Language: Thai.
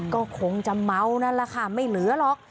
ก็คงจะเมานั่นแหละค่ะไม่เหลือหรอก